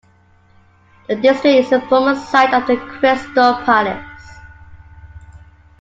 The district is the former site of The Crystal Palace.